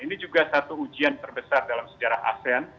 ini juga satu ujian terbesar dalam sejarah asean